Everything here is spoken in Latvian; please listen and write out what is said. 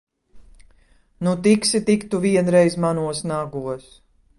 Nu, tiksi tik tu vienreiz manos nagos!